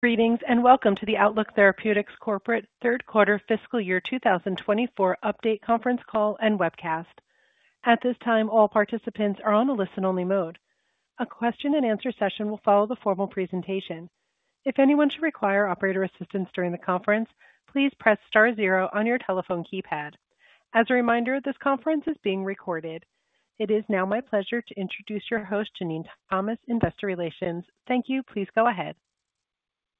Greetings, and welcome to the Outlook Therapeutics Corporate third quarter fiscal year 2024 update conference call and webcast. At this time, all participants are on a listen-only mode. A question and answer session will follow the formal presentation. If anyone should require operator assistance during the conference, please press star zero on your telephone keypad. As a reminder, this conference is being recorded. It is now my pleasure to introduce your host, Jenene Thomas, Investor Relations. Thank you. Please go ahead.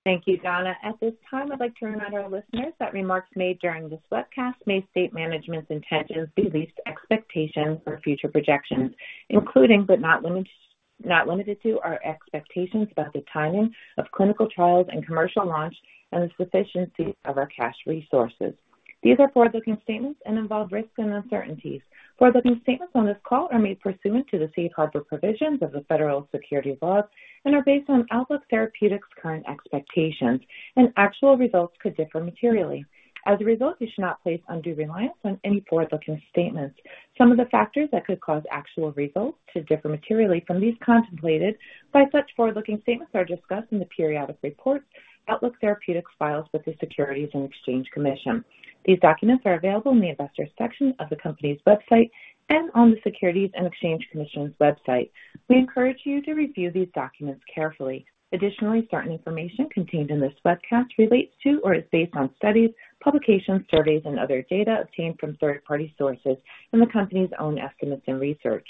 Thank you, Donna. At this time, I'd like to remind our listeners that remarks made during this webcast may state management's intentions, beliefs, expectations or future projections, including, but not limited to, our expectations about the timing of clinical trials and commercial launch and the sufficiency of our cash resources. These are forward-looking statements and involve risks and uncertainties. Forward-looking statements on this call are made pursuant to the safe harbor provisions of the federal securities laws and are based on Outlook Therapeutics' current expectations, and actual results could differ materially. As a result, you should not place undue reliance on any forward-looking statements. Some of the factors that could cause actual results to differ materially from these contemplated by such forward-looking statements are discussed in the periodic reports Outlook Therapeutics files with the Securities and Exchange Commission. These documents are available in the Investors section of the company's website and on the U.S. Securities and Exchange Commission's website. We encourage you to review these documents carefully. Additionally, certain information contained in this webcast relates to or is based on studies, publications, surveys, and other data obtained from third-party sources and the company's own estimates and research.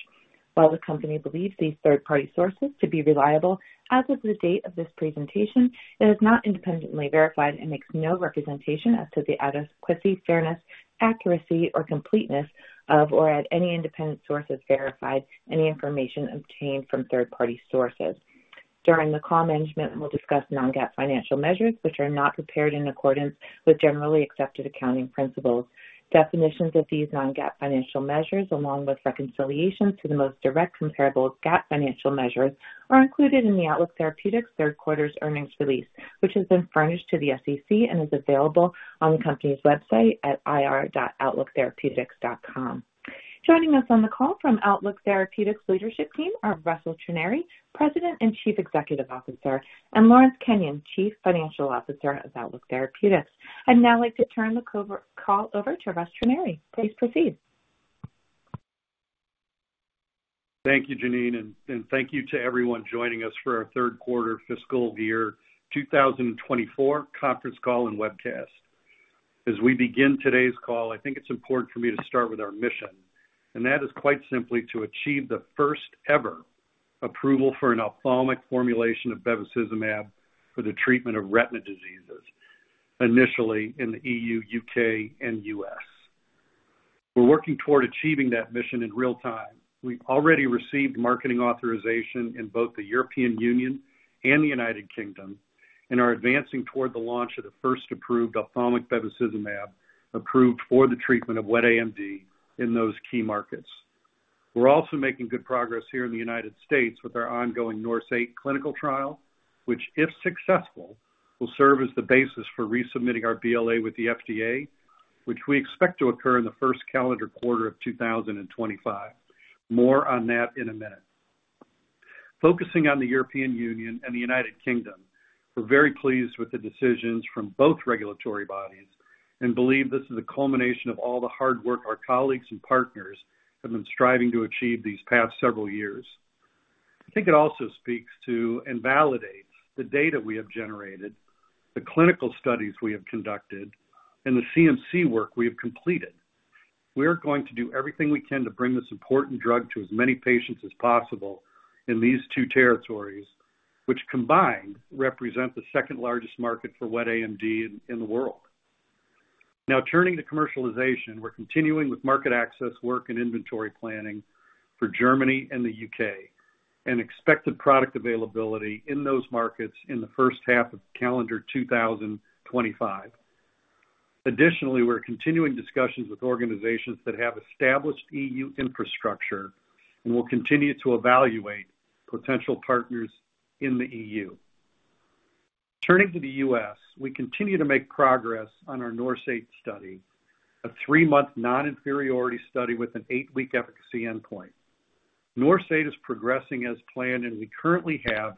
While the company believes these third-party sources to be reliable, as of the date of this presentation, it is not independently verified and makes no representation as to the adequacy, fairness, accuracy, or completeness of, or that any independent source has verified any information obtained from third-party sources. During the call, management will discuss non-GAAP financial measures, which are not prepared in accordance with Generally Accepted Accounting Principles. Definitions of these non-GAAP financial measures, along with reconciliation to the most direct comparable GAAP financial measures, are included in the Outlook Therapeutics third quarter's earnings release, which has been furnished to the SEC and is available on the company's website at ir.outlooktherapeutics.com. Joining us on the call from Outlook Therapeutics leadership team are Russell Trenary, President and Chief Executive Officer, and Lawrence Kenyon, Chief Financial Officer of Outlook Therapeutics. I'd now like to turn the call over to Russ Trenary. Please proceed. Thank you, Jenene, and thank you to everyone joining us for our third quarter fiscal year 2024 conference call and webcast. As we begin today's call, I think it's important for me to start with our mission, and that is quite simply to achieve the first-ever approval for an ophthalmic formulation of bevacizumab for the treatment of retinal diseases, initially in the EU, UK, and US. We're working toward achieving that mission in real time. We've already received marketing authorization in both the European Union and the United Kingdom, and are advancing toward the launch of the first approved ophthalmic bevacizumab, approved for the treatment of wet AMD in those key markets. We're also making good progress here in the United States with our ongoing NORSE EIGHT clinical trial, which, if successful, will serve as the basis for resubmitting our BLA with the FDA, which we expect to occur in the first calendar quarter of 2025. More on that in a minute. Focusing on the European Union and the United Kingdom, we're very pleased with the decisions from both regulatory bodies and believe this is a culmination of all the hard work our colleagues and partners have been striving to achieve these past several years. I think it also speaks to, and validates, the data we have generated, the clinical studies we have conducted, and the CMC work we have completed. We are going to do everything we can to bring this important drug to as many patients as possible in these two territories, which combined, represent the second-largest market for wet AMD in the world. Now, turning to commercialization, we're continuing with market access work and inventory planning for Germany and the UK, and expect the product availability in those markets in the first half of calendar 2025. Additionally, we're continuing discussions with organizations that have established E.U. infrastructure and will continue to evaluate potential partners in the E.U. Turning to the U.S., we continue to make progress on our NORSE EIGHT study, a three-month non-inferiority study with an eight-week efficacy endpoint. NORSE EIGHT is progressing as planned, and we currently have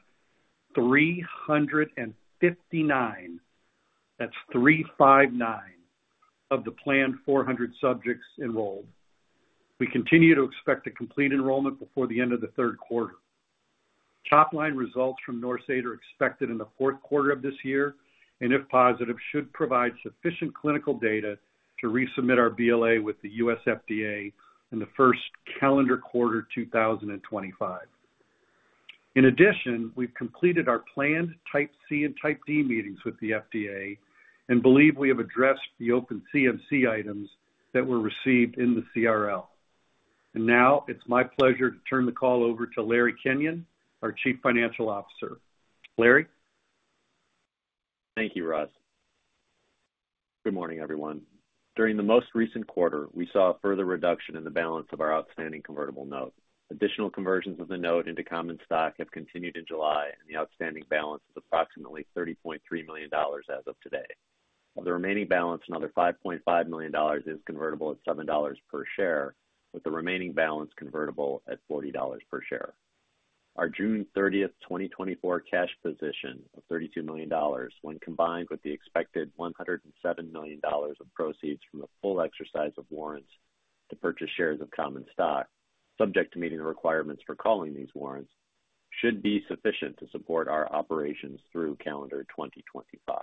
359, that's 3 5 9, of the planned 400 subjects enrolled. We continue to expect to complete enrollment before the end of the third quarter. Top line results from NORSE EIGHT are expected in the fourth quarter of this year, and if positive, should provide sufficient clinical data to resubmit our BLA with the U.S. FDA in the first calendar quarter 2025. In addition, we've completed our planned Type C and Type D meetings with the FDA and believe we have addressed the open CMC items that were received in the CRL. Now, it's my pleasure to turn the call over to Larry Kenyon, our Chief Financial Officer. Larry? Thank you, Russ. Good morning, everyone. During the most recent quarter, we saw a further reduction in the balance of our outstanding convertible note. Additional conversions of the note into common stock have continued in July, and the outstanding balance is approximately $30.3 million as of today.... Of the remaining balance, another $5.5 million is convertible at $7 per share, with the remaining balance convertible at $40 per share. Our June 30, 2024 cash position of $32 million, when combined with the expected $107 million of proceeds from the full exercise of warrants to purchase shares of common stock, subject to meeting the requirements for calling these warrants, should be sufficient to support our operations through calendar 2025.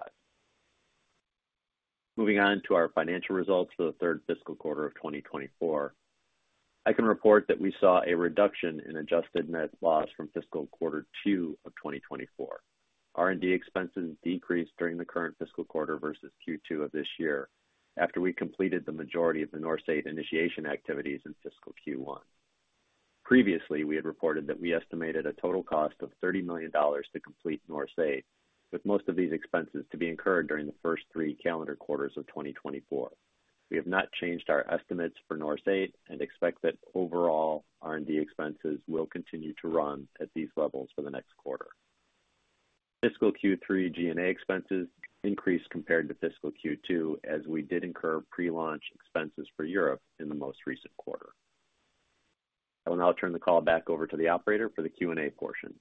Moving on to our financial results for the third fiscal quarter of 2024, I can report that we saw a reduction in adjusted net loss from fiscal quarter two of 2024. R&D expenses decreased during the current fiscal quarter versus Q2 of this year, after we completed the majority of the NORSE EIGHT initiation activities in fiscal Q1. Previously, we had reported that we estimated a total cost of $30 million to complete NORSE EIGHT, with most of these expenses to be incurred during the first three calendar quarters of 2024. We have not changed our estimates for NORSE EIGHT and expect that overall R&D expenses will continue to run at these levels for the next quarter. Fiscal Q3 G&A expenses increased compared to fiscal Q2, as we did incur pre-launch expenses for Europe in the most recent quarter. I will now turn the call back over to the operator for the Q&A portion.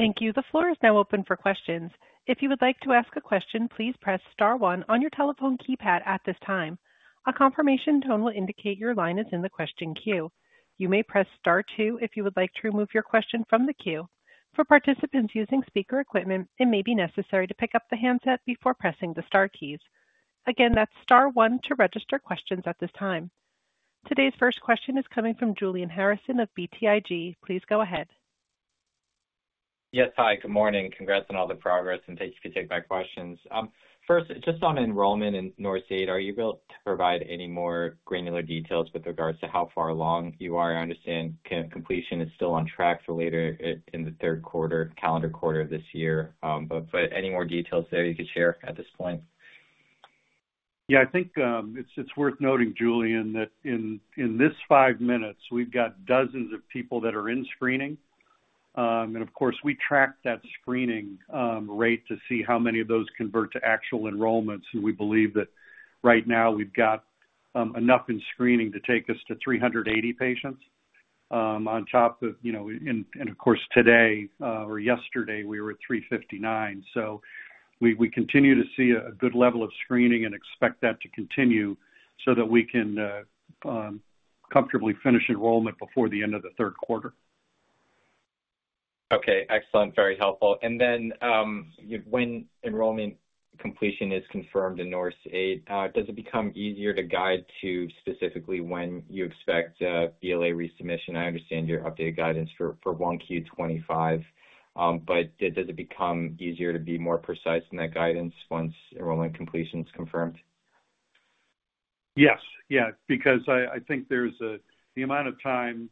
Thank you. The floor is now open for questions. If you would like to ask a question, please press star one on your telephone keypad at this time. A confirmation tone will indicate your line is in the question queue. You may press star two if you would like to remove your question from the queue. For participants using speaker equipment, it may be necessary to pick up the handset before pressing the star keys. Again, that's star one to register questions at this time. Today's first question is coming from Julian Harrison of BTIG. Please go ahead. Yes. Hi, good morning. Congrats on all the progress, and thanks. You can take my questions. First, just on enrollment in NORSE EIGHT, are you able to provide any more granular details with regards to how far along you are? I understand completion is still on track for later in the third quarter, calendar quarter of this year. But any more details there you could share at this point? Yeah, I think it's worth noting, Julian, that in this five minutes, we've got dozens of people that are in screening. And of course, we track that screening rate to see how many of those convert to actual enrollments. And we believe that right now we've got enough in screening to take us to 380 patients, on top of, you know, and, and of course, today or yesterday we were at 359. So we continue to see a good level of screening and expect that to continue so that we can comfortably finish enrollment before the end of the third quarter. Okay, excellent. Very helpful. Then, when enrollment completion is confirmed in NORSE EIGHT, does it become easier to guide to specifically when you expect a BLA resubmission? I understand your updated guidance for 1Q 2025, but does it become easier to be more precise in that guidance once enrollment completion is confirmed? Yes. Yeah, because I think there's a. The amount of time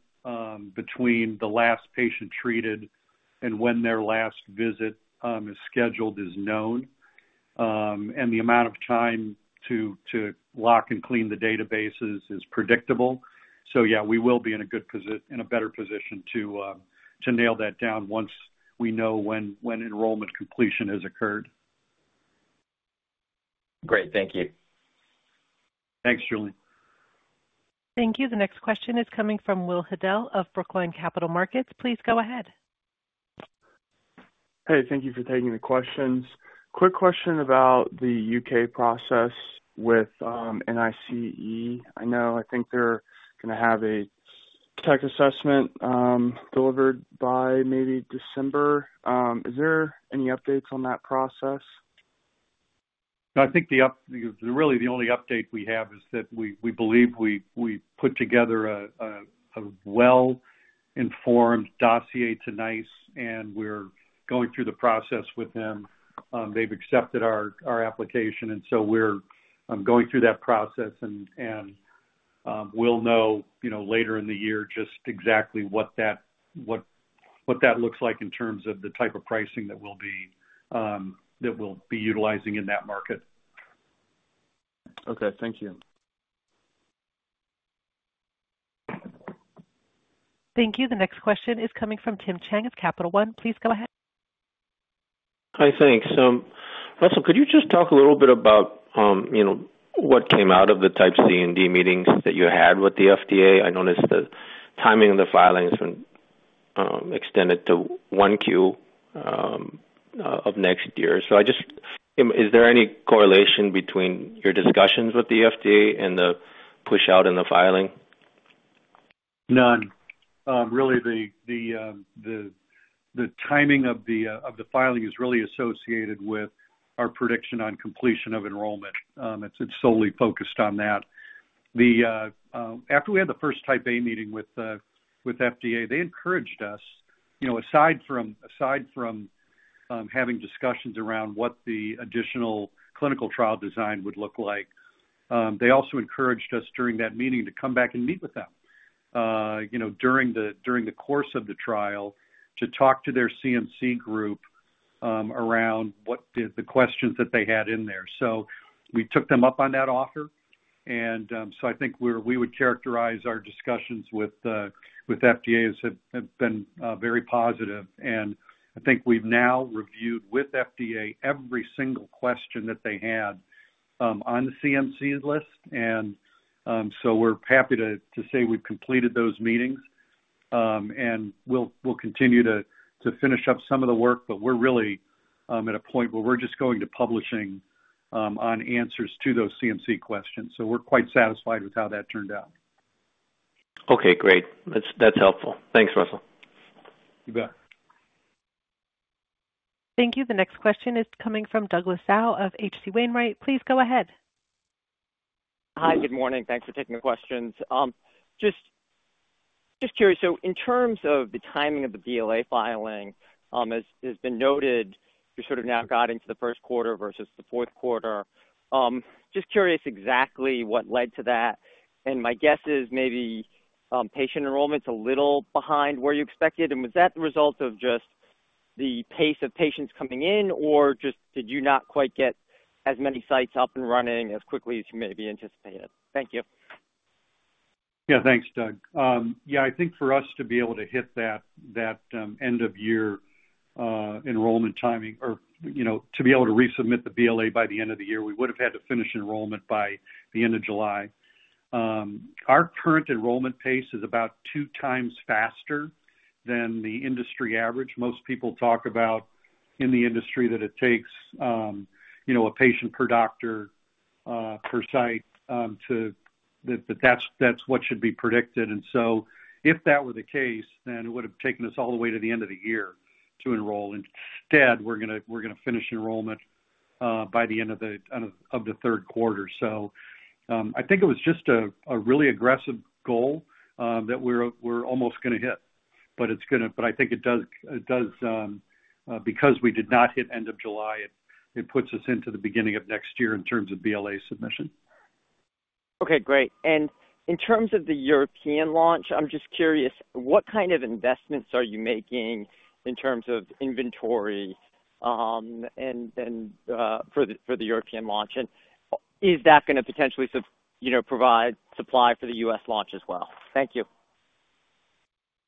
between the last patient treated and when their last visit is scheduled is known. And the amount of time to lock and clean the databases is predictable. So yeah, we will be in a better position to nail that down once we know when enrollment completion has occurred. Great. Thank you. Thanks, Julian. Thank you. The next question is coming from Michael Hodel of Brookline Capital Markets. Please go ahead. Hey, thank you for taking the questions. Quick question about the UK process with NICE. I know, I think they're gonna have a tech assessment delivered by maybe December. Is there any updates on that process? I think really, the only update we have is that we believe we put together a well-informed dossier to NICE, and we're going through the process with them. They've accepted our application, and so we're going through that process and we'll know, you know, later in the year, just exactly what that looks like in terms of the type of pricing that we'll be utilizing in that market. Okay, thank you. Thank you. The next question is coming from Tim Chiang of Capital One. Please go ahead. Hi, thanks. Russell, could you just talk a little bit about, you know, what came out of the Type C and Type D meetings that you had with the FDA? I noticed the timing of the filings when extended to 1Q of next year. So, is there any correlation between your discussions with the FDA and the pushout in the filing? None. Really, the timing of the filing is really associated with our prediction on completion of enrollment. It's solely focused on that. After we had the first Type A meeting with FDA, they encouraged us, you know, aside from having discussions around what the additional clinical trial design would look like, they also encouraged us during that meeting to come back and meet with them, you know, during the course of the trial, to talk to their CMC group around what the questions that they had in there. So we took them up on that offer. So I think we would characterize our discussions with the FDA as have been very positive. I think we've now reviewed with FDA every single question that they had on the CMC list. So we're happy to say we've completed those meetings. And we'll continue to finish up some of the work, but we're really at a point where we're just going to publishing on answers to those CMC questions. So we're quite satisfied with how that turned out. Okay, great. That's, that's helpful. Thanks, Russell. You bet. Thank you. The next question is coming from Douglas Tsao of H.C. Wainwright. Please go ahead. Hi, good morning. Thanks for taking the questions. Just curious, so in terms of the timing of the BLA filing, as has been noted, you sort of now got into the first quarter versus the fourth quarter. Just curious exactly what led to that. And my guess is maybe, patient enrollment's a little behind where you expected, and was that the result of just the pace of patients coming in, or just did you not quite get as many sites up and running as quickly as you maybe anticipated? Thank you. Yeah, thanks, Doug. Yeah, I think for us to be able to hit that end of year enrollment timing or, you know, to be able to resubmit the BLA by the end of the year, we would've had to finish enrollment by the end of July. Our current enrollment pace is about two times faster than the industry average. Most people talk about in the industry that it takes, you know, a patient per doctor per site, that that's what should be predicted. And so if that were the case, then it would've taken us all the way to the end of the year to enroll. Instead, we're gonna finish enrollment by the end of the third quarter. So, I think it was just a really aggressive goal that we're almost gonna hit. But it's gonna, but I think it does because we did not hit end of July. It puts us into the beginning of next year in terms of BLA submission. Okay, great. And in terms of the European launch, I'm just curious, what kind of investments are you making in terms of inventory and for the European launch? And is that gonna potentially, you know, provide supply for the US launch as well? Thank you.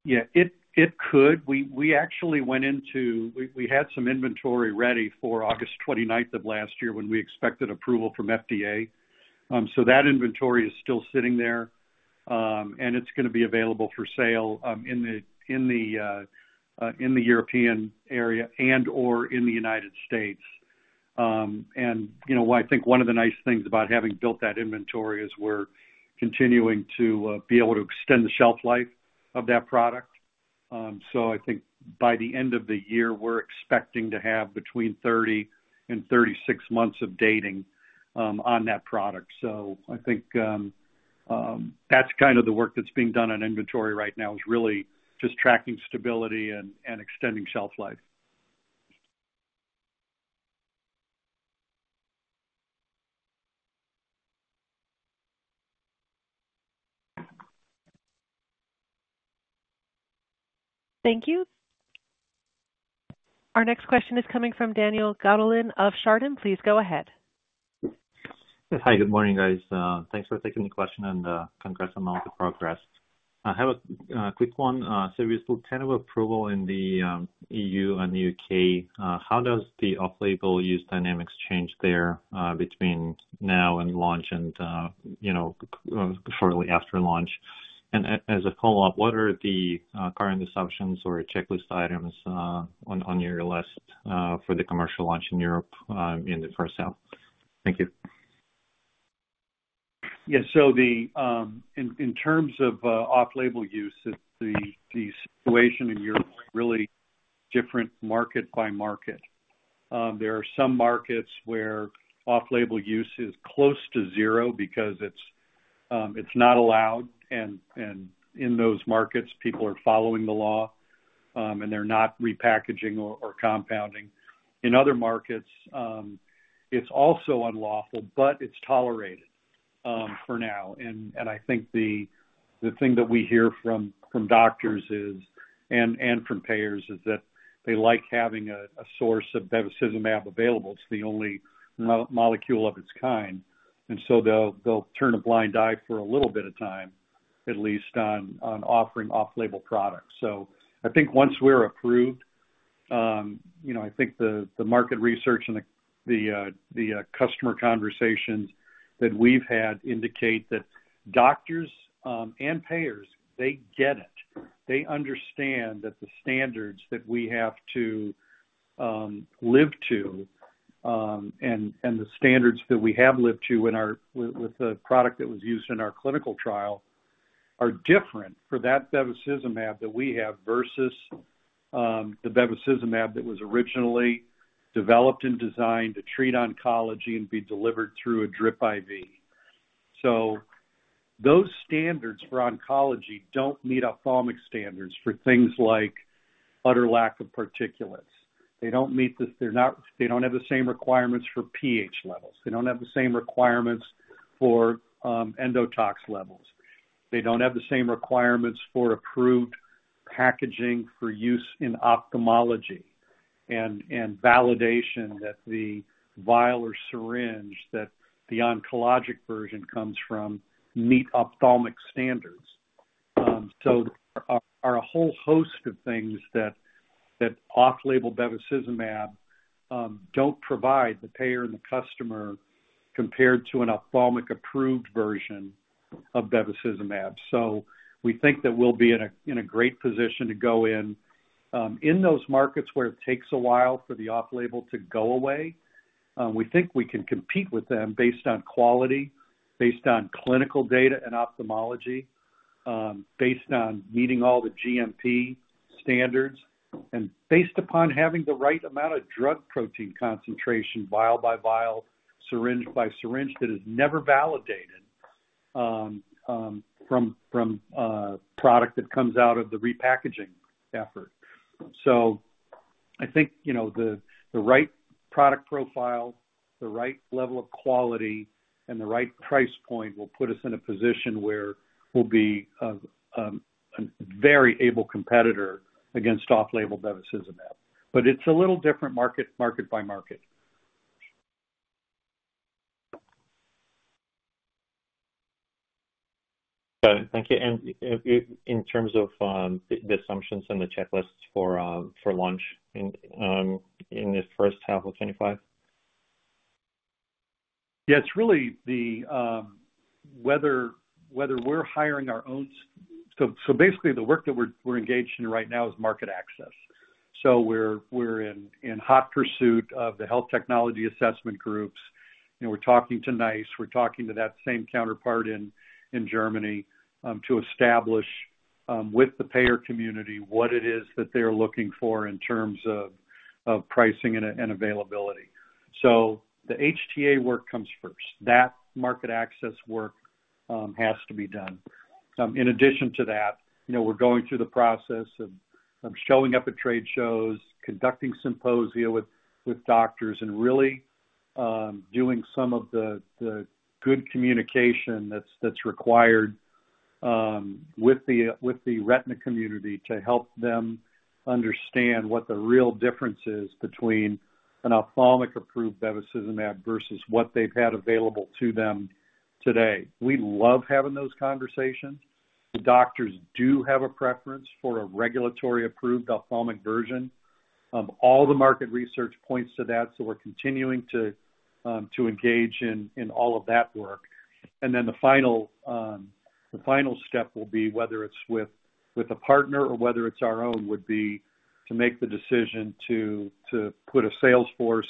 Yeah, it could. We actually went into... We had some inventory ready for August 29th of last year when we expected approval from FDA. So that inventory is still sitting there, and it's gonna be available for sale, in the European area and/or in the United States. And, you know, I think one of the nice things about having built that inventory is we're continuing to be able to extend the shelf life of that product. So I think by the end of the year, we're expecting to have between 30 and 36 months of dating, on that product. So I think that's kind of the work that's being done on inventory right now, is really just tracking stability and extending shelf life. Thank you. Our next question is coming from Daniil Gataulin of Chardan. Please go ahead. Yes. Hi, good morning, guys. Thanks for taking the question and congrats on all the progress. I have a quick one. So with kind of approval in the EU and the UK, how does the off-label use dynamics change there, between now and launch and you know, shortly after launch? And as a follow-up, what are the current assumptions or checklist items, on, on your list, for the commercial launch in Europe, in the first half? Thank you. Yes. So in terms of off-label use, it's the situation in Europe is really different market by market. There are some markets where off-label use is close to zero because it's not allowed, and in those markets, people are following the law, and they're not repackaging or compounding. In other markets, it's also unlawful, but it's tolerated for now. And I think the thing that we hear from doctors is, and from payers, is that they like having a source of bevacizumab available. It's the only molecule of its kind, and so they'll turn a blind eye for a little bit of time, at least on offering off-label products. So I think once we're approved, you know, I think the market research and the customer conversations that we've had indicate that doctors and payers, they get it. They understand that the standards that we have to live to and the standards that we have lived to in our clinical trial with the product that was used in our clinical trial are different for that bevacizumab that we have versus the bevacizumab that was originally developed and designed to treat oncology and be delivered through a drip IV. So those standards for oncology don't meet ophthalmic standards for things like utter lack of particulates. They don't meet the same requirements for pH levels. They don't have the same requirements for endotox levels. They don't have the same requirements for approved packaging for use in ophthalmology and validation that the vial or syringe that the oncologic version comes from meet ophthalmic standards. So there are a whole host of things that off-label bevacizumab don't provide the payer and the customer compared to an ophthalmic-approved version of bevacizumab. So we think that we'll be in a great position to go in those markets where it takes a while for the off-label to go away. We think we can compete with them based on quality, based on clinical data and ophthalmology, based on meeting all the GMP standards, and based upon having the right amount of drug protein concentration, vial by vial, syringe by syringe, that is never validated from product that comes out of the repackaging effort. So I think, you know, the right product profile, the right level of quality, and the right price point will put us in a position where we'll be a very able competitor against off-label bevacizumab. But it's a little different market, market by market. Good. Thank you. And, in terms of the assumptions and the checklists for launch in this first half of 2025? So basically, the work that we're engaged in right now is market access. So we're in hot pursuit of the health technology assessment groups, and we're talking to NICE, we're talking to that same counterpart in Germany, to establish with the payer community what it is that they're looking for in terms of pricing and availability. So the HTA work comes first. That market access work has to be done. In addition to that, you know, we're going through the process of showing up at trade shows, conducting symposia with doctors, and really doing some of the good communication that's required with the retina community to help them understand what the real difference is between an ophthalmic-approved bevacizumab versus what they've had available to them today. We love having those conversations. The doctors do have a preference for a regulatory-approved ophthalmic version. All the market research points to that, so we're continuing to engage in all of that work. And then the final step will be, whether it's with a partner or whether it's our own, would be to make the decision to put a sales force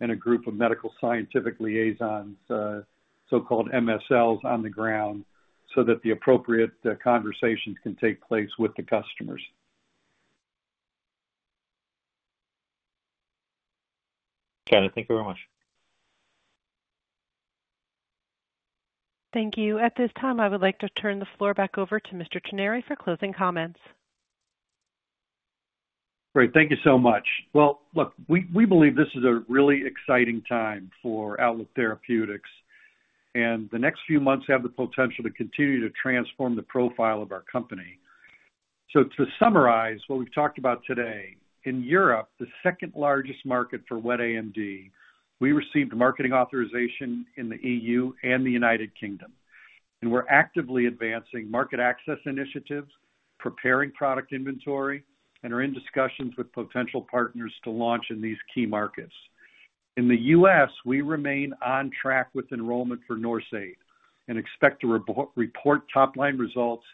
and a group of medical science liaisons, so-called MSLs, on the ground so that the appropriate conversations can take place with the customers. Got it. Thank you very much. Thank you. At this time, I would like to turn the floor back over to Mr. Trenary for closing comments. Great. Thank you so much. Well, look, we believe this is a really exciting time for Outlook Therapeutics, and the next few months have the potential to continue to transform the profile of our company. So to summarize what we've talked about today, in Europe, the second-largest market for wet AMD, we received marketing authorization in the E.U. and the United Kingdom. And we're actively advancing market access initiatives, preparing product inventory, and are in discussions with potential partners to launch in these key markets. In the U.S., we remain on track with enrollment for NORSE EIGHT and expect to report top-line results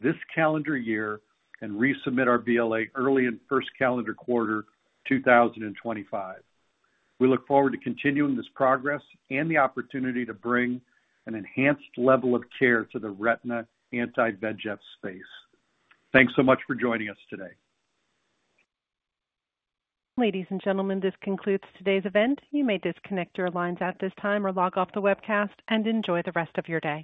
this calendar year and resubmit our BLA early in first calendar quarter 2025. We look forward to continuing this progress and the opportunity to bring an enhanced level of care to the retina anti-VEGF space. Thanks so much for joining us today. Ladies and gentlemen, this concludes today's event. You may disconnect your lines at this time or log off the webcast and enjoy the rest of your day.